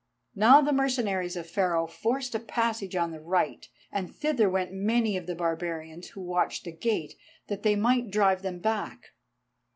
Now the mercenaries of Pharaoh forced a passage on the right and thither went many of the barbarians who watched the gate, that they might drive them back.